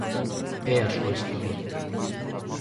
É a súa historia.